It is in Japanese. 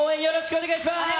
お願いします。